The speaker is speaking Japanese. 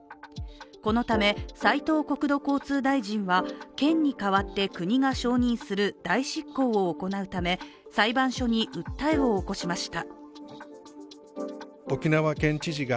このため斉藤国土交通大臣は県に代わって国が承認する代執行を行うため、裁判所に訴えを起こしました。